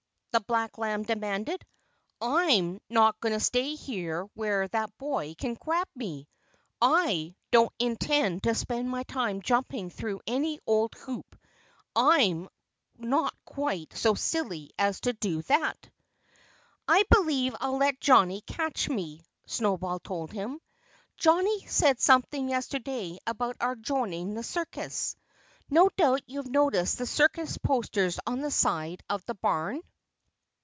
the black lamb demanded. "I'm not going to stay here where that boy can grab me. I don't intend to spend my time jumping through any old hoop. I'm not quite so silly as to do that." "I believe I'll let Johnnie catch me," Snowball told him. "Johnnie said something yesterday about our joining the circus. No doubt you've noticed the circus posters on the side of the barn?"